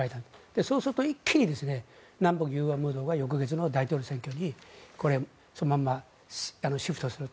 そうすると一気に南北融和ムードが翌月の大統領選挙にそのままシフトする。